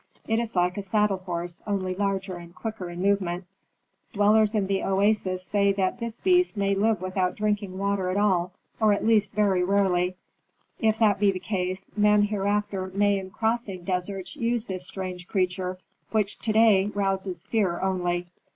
It is like a saddle horse, only larger and quicker in movement. Dwellers in the oases say that this beast may live without drinking water at all, or at least very rarely. If that be the case, men hereafter may in crossing deserts use this strange creature, which to day rouses fear only."